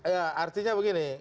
ya artinya begini